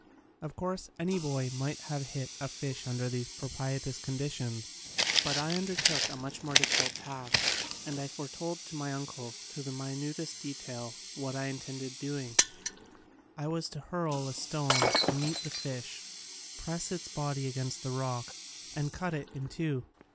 Of course any boy might have hit a fish under these pro pitious conditions but I undertook a much more difficult task and I foretold to my uncle, to the minutest detail, what I in tended doing. I was to hurl a stone to meet the fish, press its body against the rock, and cut it in two.